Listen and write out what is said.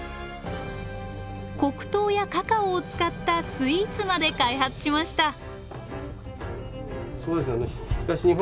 黒糖やカカオを使ったスイーツまで開発しました。